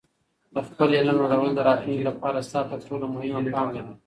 د خپل علم لوړول د راتلونکي لپاره ستا تر ټولو مهمه پانګه ده.